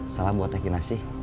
salam buat teki nasi